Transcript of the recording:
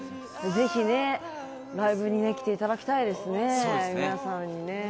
ぜひライブにも来ていただきたいですね、皆さんにね。